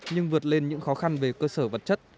nhưng vượt lên những khó khăn về cơ sở vật chất